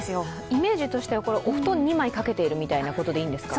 イメージとしては、お布団２枚かけているみたいなことでいいんですか。